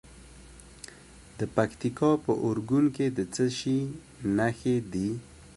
د پکتیکا په اورګون کې د څه شي نښې دي؟